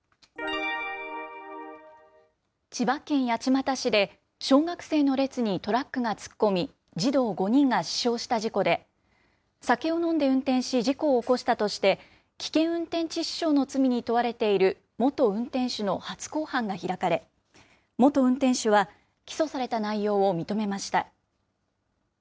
千葉県八街市で、小学生の列にトラックが突っ込み、児童５人が死傷した事故で、酒を飲んで運転し、事故を起こしたとして、危険運転致死傷の罪に問われている元運転手の初公判が開かれ、元運転手は起訴された内容を認めました。